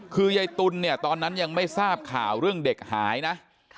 คือยายตุ๋นเนี่ยตอนนั้นยังไม่ทราบข่าวเรื่องเด็กหายนะ